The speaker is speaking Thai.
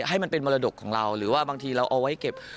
ให้มันเป็นมรดกของเราหรือว่าบางทีเราเอาไว้เก็บ